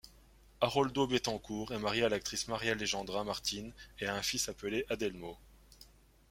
Aroldo Betancourt est marié à l'actrice Marialejandra Martin et a un fils appelé Adelmo.